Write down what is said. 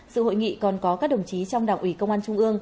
sự hội nghị còn có các đồng chí trong đảng ủy công an trung ương